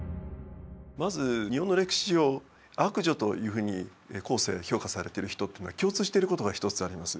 まず日本の歴史上悪女というふうに後世評価されてる人っていうのは共通してることが一つあります。